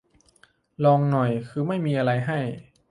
ลองหน่อย คือไม่มีอะไรให้